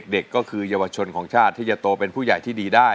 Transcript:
เด็กก็คือเยาวชนของชาติที่จะโตเป็นผู้ใหญ่ที่ดีได้